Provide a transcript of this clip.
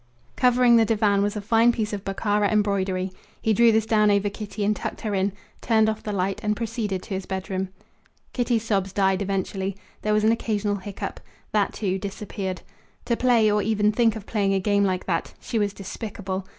Covering the divan was a fine piece of Bokhara embroidery. He drew this down over Kitty and tucked her in, turned off the light, and proceeded to his bedroom. Kitty's sobs died eventually. There was an occasional hiccup. That, too, disappeared. To play or even think of playing a game like that! She was despicable.